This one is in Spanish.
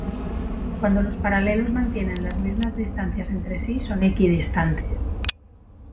Cuando los paralelos mantienen las mismas distancias entre sí son equidistantes.